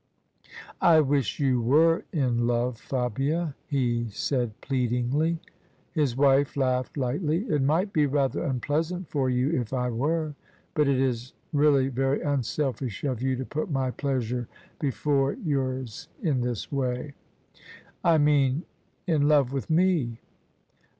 " I wish you were in love, Fabia," he said, pleadingly. His wife laughed lightly. " It mi^t be rather unpleas ant for you if I were! But it is really very unselfish of you to put my pleasure before yours in this way." " I mean in love with me."